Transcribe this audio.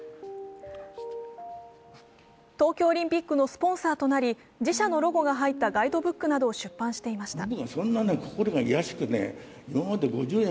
東京オリンピックのスポンサーとなり自社のロゴが入ったガイドブックなどを出版していました。